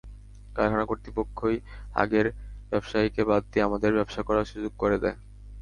কারখানা কর্তৃপক্ষই আগের ব্যবসায়ীকে বাদ দিয়ে আমাদের ব্যবসা করার সুযোগ করে দেয়।